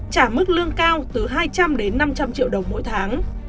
trả mức lương cao từ hai trăm linh đến năm trăm linh triệu đồng mỗi tháng